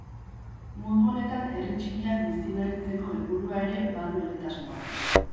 Modu honetan herri txikiak biziberritzeko helburua ere ba du egitasmoak.